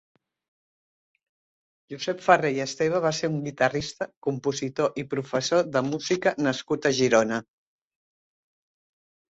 Josep Ferrer i Esteve va ser un guitarrista, compositor i professor de música nascut a Girona.